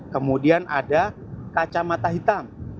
kemudian ada kacamata hitam